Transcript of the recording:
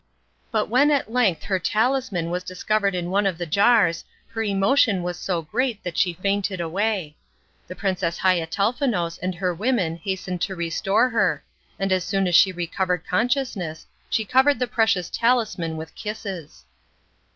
But when at length her talisman was discovered in one of the jars her emotion was so great that she fainted away. The Princess Haiatelnefous and her women hastened to restore her, and as soon as she recovered consciousness she covered the precious talisman with kisses.